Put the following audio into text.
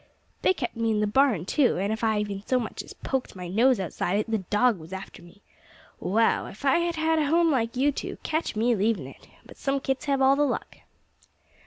They kept me in the barn, too, and if I even so much as poked my nose outside it the dog was after me. Wow! If I'd had a home like you two, catch me leaving it! But some kits have all the luck."